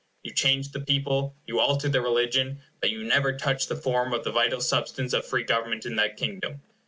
You changed the people; you altered the religion; but you never touched the form or the vital substance of free government in that kingdom.